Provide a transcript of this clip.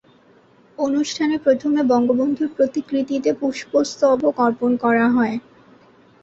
অনুষ্ঠানে প্রথমে বঙ্গবন্ধুর প্রতিকৃতিতে পুষ্পস্তবক অর্পণ করা হয়।